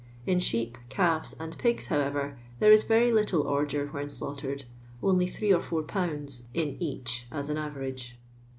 In sheep, calves, and pigs, however, there is very little ordure when shiughtered, only 8 or 4 lbs. in each as an average.